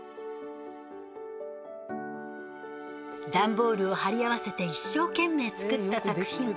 段ボールを貼り合わせて一生懸命作った作品。